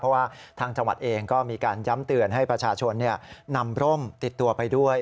เพราะว่าทางจังหวัดเองก็มีการย้ำเตือนให้ประชาชนนำร่มติดตัวไปด้วย